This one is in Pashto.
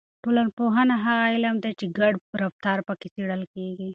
ټولنپوهنه هغه علم دی چې ګډ رفتار پکې څېړل کیږي.